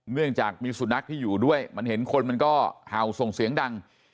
เนื่องจากมีสุนัขที่อยู่ด้วยมันเห็นคนมันก็เห่าส่งเสียงดัง